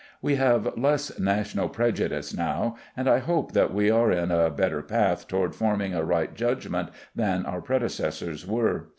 We have less national prejudice now, and I hope that we are in a better path toward forming a right judgment than our predecessors were.